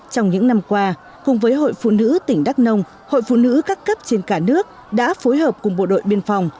trong những năm qua cùng với hội phụ nữ tỉnh đắk nông hội phụ nữ các cấp trên cả nước đã phối hợp cùng bộ đội biên phòng